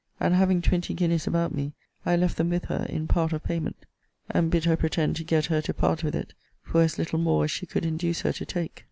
And having twenty guineas about me, I left them with her, in part of payment; and bid her pretend to get her to part with it for as little more as she could induce her to take.